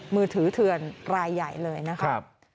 มือถือเถื่อนรายใหญ่เลยนะครับ